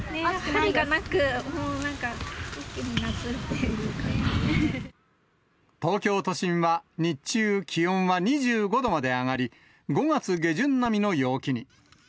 春がなく、もうなんか、東京都心は日中、気温は２５度まで上がり、５月下旬並みの陽気に。